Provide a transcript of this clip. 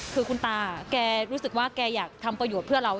คือคุณตาแกรู้สึกว่าแกอยากทำประโยชน์เพื่อเรา